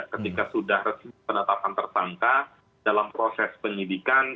ketika sudah resmi penetapan tersangka dalam proses penyidikan